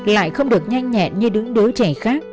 lại không được nhanh nhẹn như đứng đối trẻ khác